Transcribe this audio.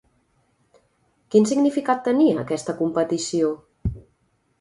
Quin significat tenia aquesta competició?